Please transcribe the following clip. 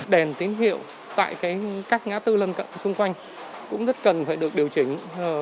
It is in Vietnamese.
đèn tín hiệu tại các ngã tư lân cận xung quanh cũng rất cần phải được điều chỉnh